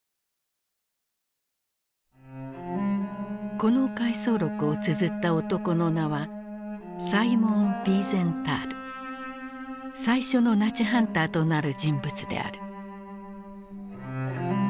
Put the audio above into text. この回想録をつづった男の名は最初のナチハンターとなる人物である。